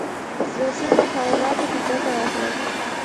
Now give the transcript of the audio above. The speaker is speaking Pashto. په سیاسي تحولاتو کې ګټه واخلي.